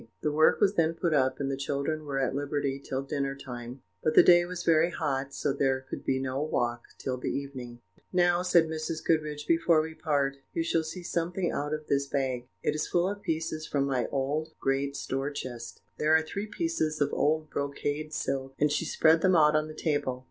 The work was then put up, and the children were at liberty till dinner time; but the day was very hot, so there could be no walk till the evening. "Now," said Mrs. Goodriche, "before we part, you shall see something out of this bag; it is full of pieces from my old great store chest; there are three pieces of old brocade silk," and she spread them out on the table.